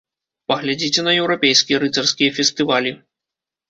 Паглядзіце на еўрапейскія рыцарскія фестывалі.